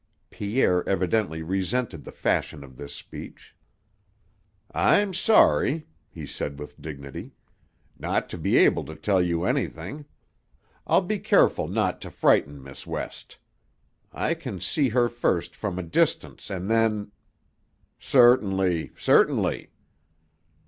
Pierre evidently resented the fashion of this speech. "I'm sorry," he said with dignity, "not to be able to tell you anything. I'll be careful not to frighten Miss West. I can see her first from a distance an' then " "Certainly. Certainly."